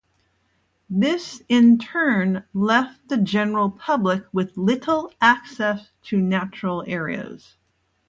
This in turn left the general public with little access to natural areas.